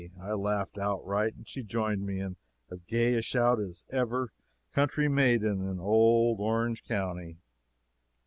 I laughed outright, and she joined me in as gay a shout as ever country maiden in old Orange county.